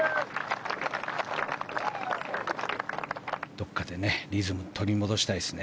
どこかでリズムを取り戻したいですね。